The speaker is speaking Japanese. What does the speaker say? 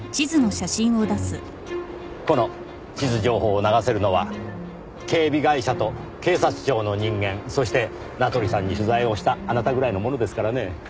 この地図情報を流せるのは警備会社と警察庁の人間そして名取さんに取材をしたあなたぐらいなものですからねぇ。